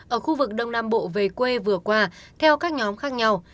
ở khu vực đông nam bộ về quê vừa qua theo các nhóm khác nhau